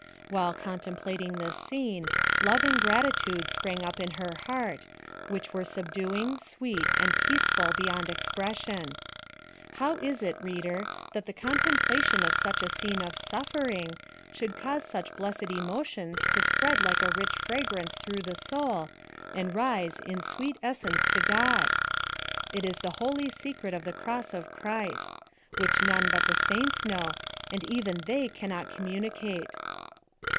While contemplating this scene, love and gratitude sprang up in her heart, which were subduing, sweety and peaceful beyond expression ! How is it reader, that the contemplation of such a scene of suffering should cause such blessed emotions to spread like a rich fragrance through the soul, and rise in sweet in cense to God ? It is the holy secret of 'he cross of of Christ ! which none but the saints know, and even they cannot communicate